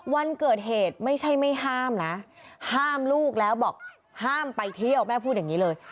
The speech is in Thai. วันเกิดเหตุไม่ใช่ไม่ห้ามนะห้ามลูกแล้วบอกห้ามไปเที่ยวแม่พูดอย่างนี้เลย